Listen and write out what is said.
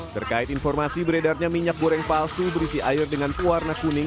terkait informasi beredarnya minyak goreng palsu berisi air dengan pewarna kuning